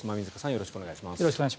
よろしくお願いします。